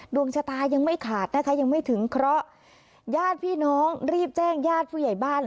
ดวงชะตายังไม่ขาดนะคะยังไม่ถึงเคราะห์ญาติพี่น้องรีบแจ้งญาติผู้ใหญ่บ้าน